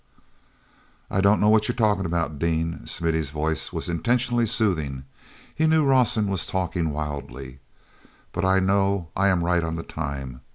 "I don't know what you are talking about, Dean." Smithy's voice was intentionally soothing; he knew Rawson was talking wildly. "But I know I am right on the time.